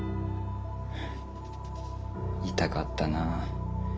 痛かったなあ。